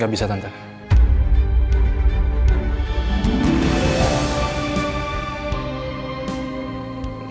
gak bisa tante